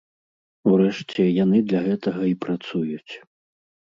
Урэшце, яны для гэтага і працуюць.